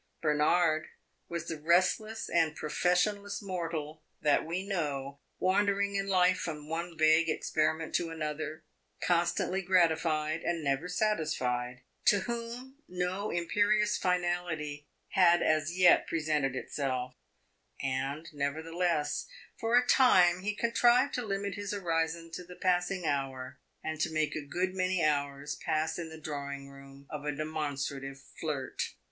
Bernard was the restless and professionless mortal that we know, wandering in life from one vague experiment to another, constantly gratified and never satisfied, to whom no imperious finality had as yet presented itself; and, nevertheless, for a time he contrived to limit his horizon to the passing hour, and to make a good many hours pass in the drawing room of a demonstrative flirt.